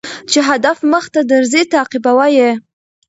چي هدف مخته درځي تعقيبوه يې